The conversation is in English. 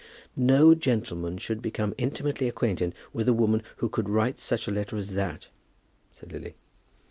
"No gentleman should become intimately acquainted with a woman who could write such a letter as that," said Lily.